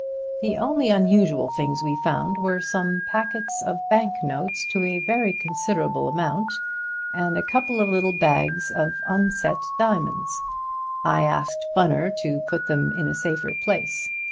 The only unusual things we found were some packets of bank notes to a very considerable amount, and a couple of little bags of unset diamonds. I asked Mr. Bunner to put them in a safer place.